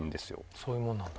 そういうものなんだ。